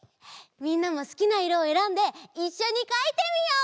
みんなもすきないろをえらんでいっしょにかいてみよう！